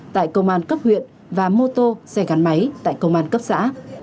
tại công an cấp huyện và mô tô xe gắn máy tại công an cấp xã